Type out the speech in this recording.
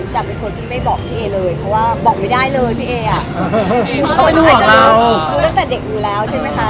จะเป็นคนที่ไม่บอกพี่เอเลยเพราะว่าบอกไม่ได้เลยพี่เออ่ะทุกคนอาจจะรู้รู้ตั้งแต่เด็กอยู่แล้วใช่ไหมคะ